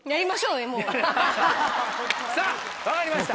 さぁ分かりました！